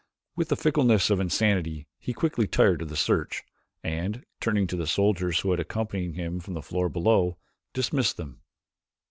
With the fickleness of insanity he quickly tired of the search, and, turning to the soldiers who had accompanied him from the floor below, dismissed them.